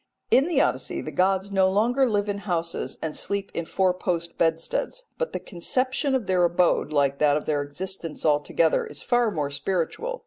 In the Odyssey the gods no longer live in houses and sleep in four post bedsteads, but the conception of their abode, like that of their existence altogether, is far more spiritual.